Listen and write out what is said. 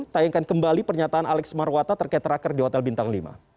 tayangkan kembali pernyataan alex marwata terkait raker di hotel bintang lima